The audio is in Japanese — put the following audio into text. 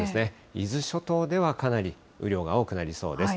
伊豆諸島ではかなり雨量が多くなりそうです。